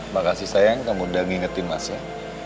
makasih sayang kamu udah ngingetin mas ya